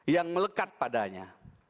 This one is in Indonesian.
yang melekat padanya